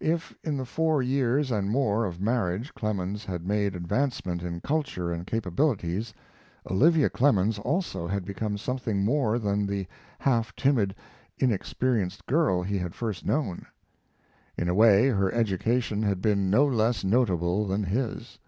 If in the four years and more of marriage Clemens had made advancement in culture and capabilities, Olivia Clemens also had become something more than the half timid, inexperienced girl he had first known. In a way her education had been no less notable than his.